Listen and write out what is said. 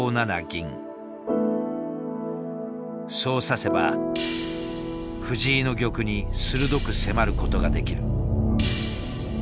そう指せば藤井の玉に鋭く迫ることができる。